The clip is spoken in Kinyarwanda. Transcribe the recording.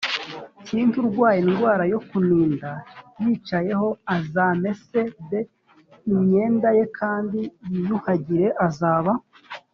kintu urwaye indwara yo kuninda yicayeho azamese b imyenda ye kandi yiyuhagire azaba